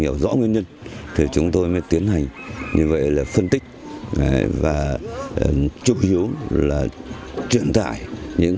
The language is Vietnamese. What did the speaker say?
hiểu rõ nguyên nhân thì chúng tôi mới tiến hành như vậy là phân tích và trúc hiếu là truyền tải những